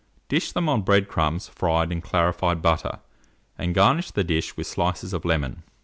Dish them on bread crumbs fried in clarified butter, and garnish the dish with slices of lemon.